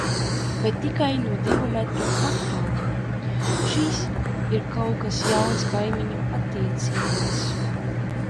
Bet tikai no divu metru attāluma. Šis ir kaut kas jauns kaimiņu attiecībās.